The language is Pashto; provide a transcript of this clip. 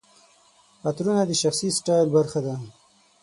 عطرونه د شخصي سټایل برخه ده.